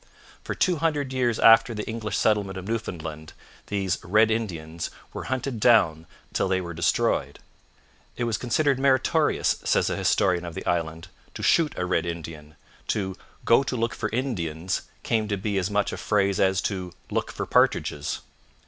For two hundred years after the English settlement of Newfoundland, these 'Red Indians' were hunted down till they were destroyed. 'It was considered meritorious,' says a historian of the island, 'to shoot a Red Indian. To "go to look for Indians" came to be as much a phrase as to "look for partridges."